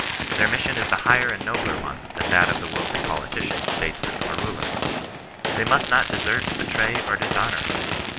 Their mission is a higher and nobler one than that of the worldly politician, statesman, or ruler. They must not desert, betray, or dishonour it.